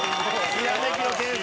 ひらめきの天才。